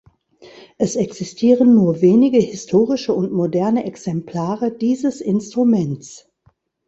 Es existieren nur wenige historische und moderne Exemplare dieses Instruments.